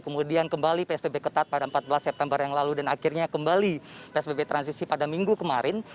kemudian kembali psbb ketat pada empat belas september yang lalu dan akhirnya kembali psbb transisi pada minggu kemarin